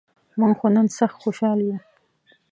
مونږ خو نن سخت خوشال یوو.